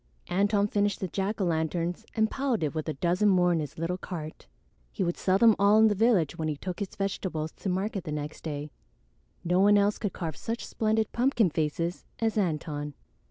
Antone finished the jack o' lantern and piled it with a dozen more in his little cart. He would sell them all in the village when he took his vegetables to market the next day; no one else could carve such splendid pumpkin faces as Antone.